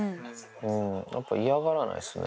やっぱ嫌がらないですね。